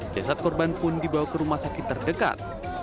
jasad korban pun dibawa ke rumah sakit terdekat